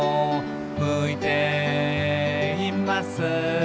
「向いています」